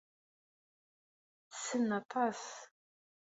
Ttessen aṭas.